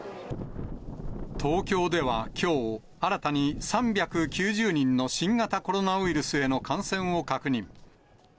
東京ではきょう、新たに３９０人の新型コロナウイルスへの感染を確認。